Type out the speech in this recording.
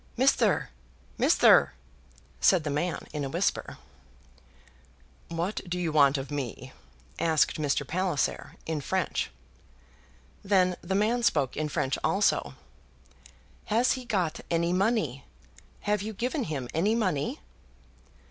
"Misther, Misther!" said the man in a whisper. "What do you want of me?" asked Mr. Palliser, in French. Then the man spoke in French, also. "Has he got any money? Have you given him any money?"